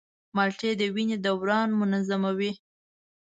مالټې د وینې دوران منظموي.